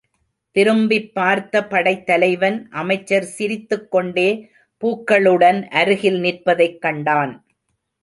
திரும்பிப் பார்த்த படைத்தலைவன் அமைச்சர் சிரித்துக் கொண்டே பூக்களுடன் அருகில் நிற்பதைக் கண்டான்.